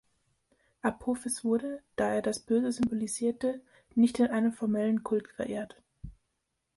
Apophis wurde, da er das Böse symbolisierte, nicht in einem formellen Kult verehrt.